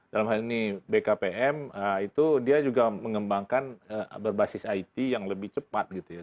dalam hal ini bkpm itu dia juga mengembangkan berbasis it yang lebih cepat gitu ya